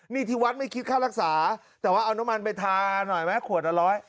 นี่ที่วัดไม่คิดค่ารักษาแต่ว่าเอาน้ำมันไปทาหน่อยไหมขวดละร้อย